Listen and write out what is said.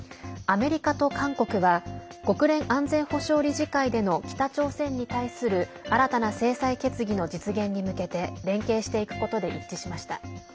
アメリカと韓国は国連安全保障理事会での北朝鮮に対する新たな制裁決議の実現に向けて連携していくことで一致しました。